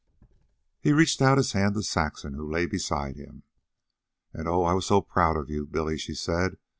He reached out his hand to Saxon, who lay beside him. "And, oh, I was so proud of you, Billy," she said.